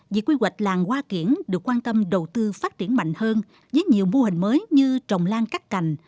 việc quy hoạch làng hoa kiển được quan tâm đầu tư phát triển mạnh hơn với nhiều mô hình mới như trồng lan cắt cành